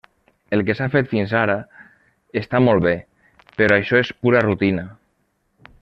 El que s'ha fet fins ara està molt bé, però això és pura rutina.